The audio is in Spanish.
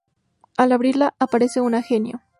Al abrirla aparece una genio.